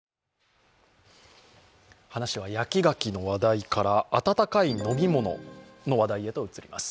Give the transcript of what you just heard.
話は焼き柿の話題から温かい飲み物の話題へと移ります。